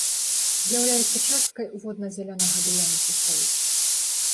З'яўляецца часткай водна-зялёнага дыяметра сталіцы.